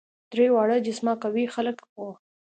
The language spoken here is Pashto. درې واړه جسما قوي خلک وه.